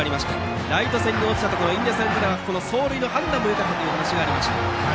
ライト線に落ちたところ印出さんからは走塁の判断もよかったという話がありました。